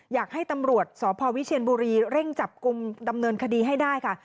อยากให้ตำรวจสพวิเชียนบุรีเร่งจับกลุ่มดำเนินคดีให้ได้ค่ะ